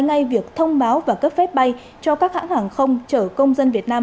ngay việc thông báo và cấp phép bay cho các hãng hàng không chở công dân việt nam